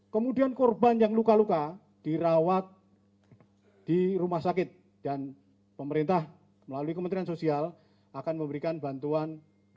kemudian korban yang luka luka dirawat di rumah sakit dan pemerintah melalui kementerian sosial akan memberikan bantuan